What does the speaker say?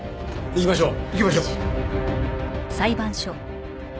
行きましょう。